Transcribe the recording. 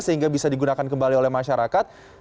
sehingga bisa digunakan kembali oleh masyarakat